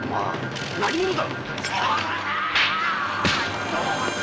何者だ‼